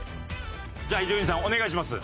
じゃあ伊集院さんお願いします。